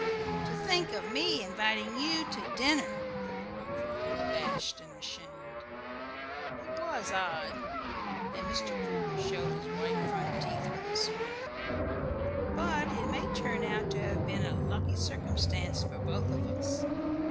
"To think of me inviting you to dinner!" the boy cried, abashed and ashamed. "It was odd." And Mr. Crooker showed his white front teeth with a smile. "But it may turn out to have been a lucky circumstance for both of us.